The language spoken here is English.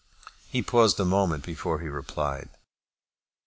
He paused a moment before he replied.